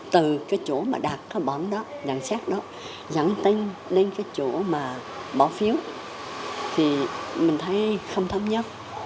từ cái chỗ mà đặt cái bọn đó nhận xét đó dẫn tin lên cái chỗ mà bỏ phiếu thì mình thấy không thống nhất